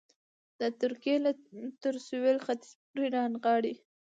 د ترکیې تر سوېل ختیځ پورې رانغاړي.